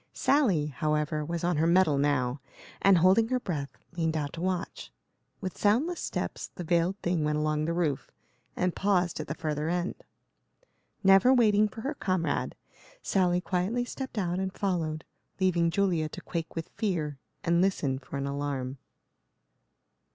Sally, however, was on her mettle now, and, holding her breath, leaned out to watch. With soundless steps the veiled thing went along the roof, and paused at the further end. Never waiting for her comrade, Sally quietly stepped out and followed, leaving Julia to quake with fear and listen for an alarm.